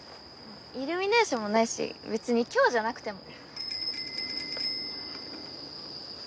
イルミネーションもないし別に今日じゃなくても。